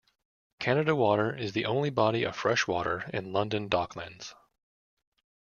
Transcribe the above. Canada Water is the only body of fresh water in London Docklands.